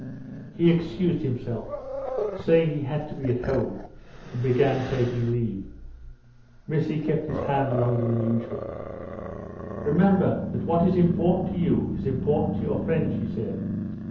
He excused himself, saying he had to be at home, and began taking leave. Missy kept his hand longer than usual. "Remember that what is important to you is important to your friends," she said.